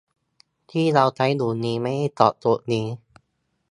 ที่เราใช้อยู่นี้ไม่ได้ตอบโจทย์นี้